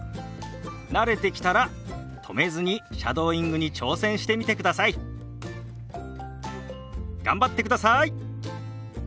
慣れてきたら止めずにシャドーイングに挑戦してみてください。頑張ってください！